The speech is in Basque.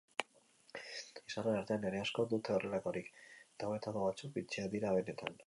Izarren artean ere askok dute horrelakorik, eta hauetako batzuk bitxiak dira benetan.